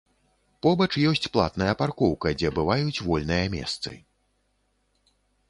Побач ёсць платная паркоўка, дзе бываюць вольныя месцы.